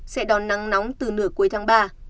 sẽ đón nắng nóng từ nửa cuối tháng ba